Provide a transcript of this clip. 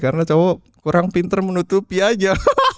karena cowok kurang pinter menutupi aja